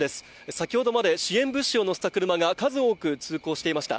先ほどまで支援物資を載せた車が数多くいました。